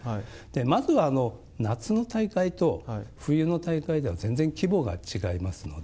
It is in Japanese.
まずは夏の大会と冬の大会では全然規模が違いますので。